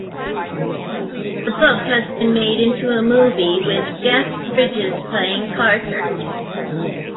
The book has been made into a movie, with Jeff Bridges playing Carter.